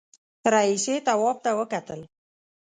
رئيسې تواب ته وکتل.